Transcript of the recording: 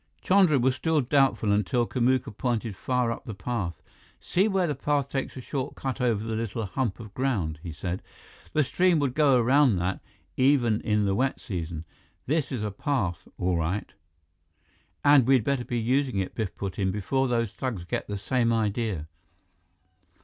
Chandra still was doubtful until Kamuka pointed far up the path. "See where the path takes a short cut over the little hump of ground?" he said. "The stream would go around that, even in the wet season. This is a path, all right." "And we'd better be using it," Biff put in, "before those thugs get the same idea."